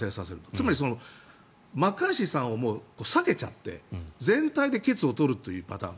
つまり、マッカーシーさんを避けちゃって全体で決を取るというパターン。